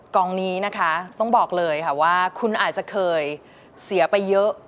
กองนี้นะคะต้องบอกเลยค่ะว่าคุณอาจจะเคยเสียไปเยอะ